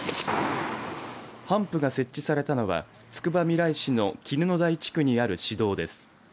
ハンプが設置されたのはつくばみらい市の絹の台地区にある市道です。